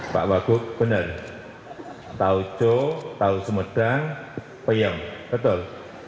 pak wagug benar tahu cok tahu sumedang peyang betul